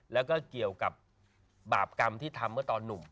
แล้วก็เกี่ยวกับบาปกรรมที่ทำเมื่อตอนหนุ่ม